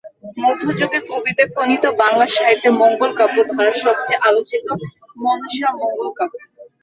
মধ্যযুগের কবিদের প্রণীত বাংলা সাহিত্যের মঙ্গলকাব্য ধারার সবচেয়ে আলোচিত মনসামঙ্গল কাব্য।